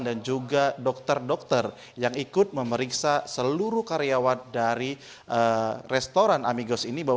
dan juga dokter dokter yang ikut memeriksa seluruh karyawan dari restoran amigos ini